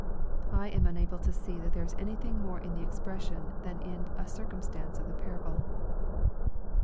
I am unable to see that there is anything more in the expression than a circumstance of the parable.